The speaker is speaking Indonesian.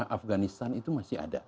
afganistan itu masih ada